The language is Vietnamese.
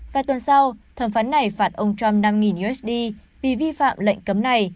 vài tuần sau thẩm phán này phạt ông trump năm usd vì vi phạm lệnh cấm này